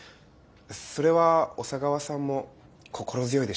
それは小佐川さんも心強いでしょうね。